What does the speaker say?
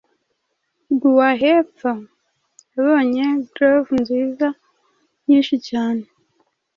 Gua hepfo yabonye Grove nziza, nyinhi cyane